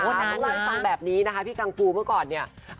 เราได้ฟังแบบนี้นะคะพี่กังฟูเมื่อก่อนเนี่ย